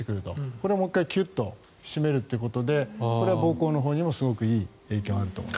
これをもう一回キュッと締めるということでこれは膀胱のほうにもすごくいい影響があると思います。